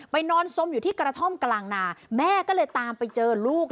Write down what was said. นอนสมอยู่ที่กระท่อมกลางนาแม่ก็เลยตามไปเจอลูก